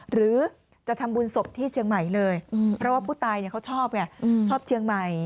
หรือจะทำบุญศพที่เชียงใหม่เลยเพราะว่าผู้ตายเขาชอบไงชอบเชียงใหม่